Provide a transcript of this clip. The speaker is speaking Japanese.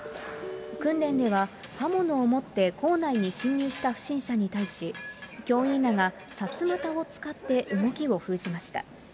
訓練では、刃物を持って校内に侵入した不審者に対し、教員らがさすまたを使って動きを封じました。